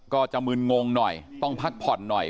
ก็จะมึนงงหน่อยต้องพักผ่อนหน่อย